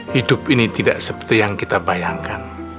hidup ini tidak seperti yang kita bayangkan